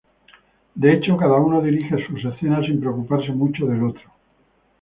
De hecho, cada uno dirige sus escenas sin preocuparse mucho del otro.